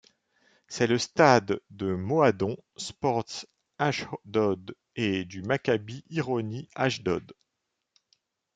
C'est le stade du Moadon Sport Ashdod et du Maccabi Ironi Ashdod.